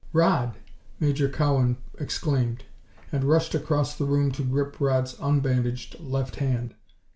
"Rodd!" Major Cowan exclaimed, and rushed across the room to grip Rodd's unbandaged left hand.